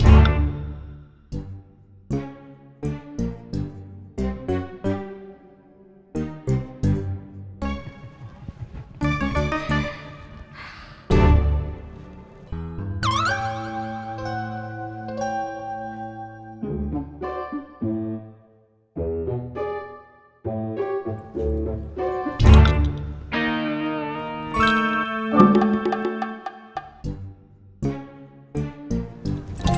aku mau ke rumah